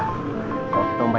si buruk rupa